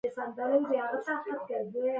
په ټټر کښې مې د تشې احساس کاوه.